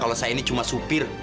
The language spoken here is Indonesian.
kalau saya ini cuma supir